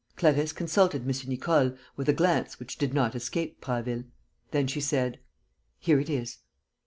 Clarisse consulted M. Nicole with a glance which did not escape Prasville. Then she said: "Here it is."